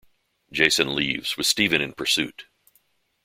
Jason leaves with Steven in pursuit.